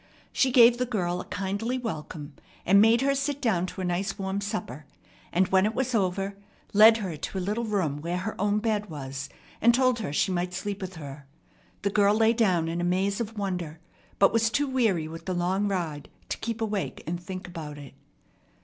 She gave the girl a kindly welcome, and made her sit down to a nice warm supper, and, when it was over, led her to a little room where her own bed was, and told her she might sleep with her. The girl lay down in a maze of wonder, but was too weary with the long ride to keep awake and think about it.